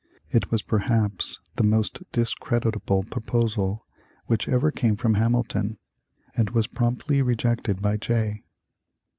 It was perhaps the most discreditable proposal which ever came from Hamilton, and was promptly rejected by Jay.